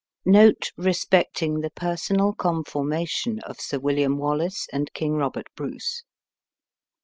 NOTE RESPECTING THE PERSONAL CONFORMATION OF SIR WILLIAM WALLACE AND KING ROBERT BRUCE.